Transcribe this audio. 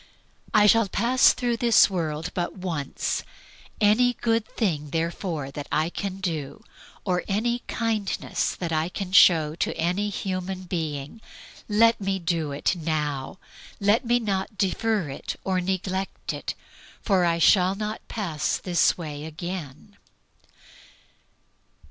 "I shall pass through this world but once. Any good thing, therefore, that I can do, or any kindness that I can show to any human being, let me do it now. Let me not defer it or neglect it, for I shall not pass this way again."